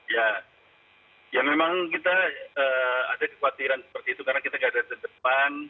ya ya memang kita ada kekhawatiran seperti itu karena kita gak ada di depan